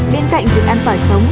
bên cạnh việc ăn tỏi sống